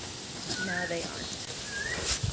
Now they aren't.